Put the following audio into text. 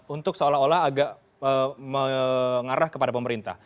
untuk seolah olah agak mengarah kepada pemerintah